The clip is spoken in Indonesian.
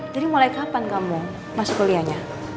jadi mulai kapan kamu masuk kulianya